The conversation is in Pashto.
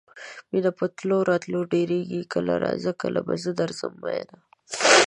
مینه په تلو راتلو ډیریږي کله راځه کله به زه درځم میینه